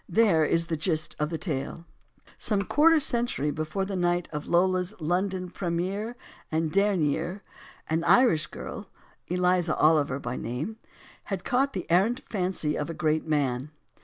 There is the gist of the tale: Some quarter century before the night of Lola's London premiere and derniere an Irish girl, Eliza Oliver by name, had caught the errant fancy of a great man.